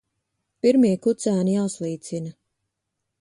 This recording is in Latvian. Pirmie kucēni jāslīcina.